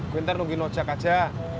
gue ntar nungguin ojek aja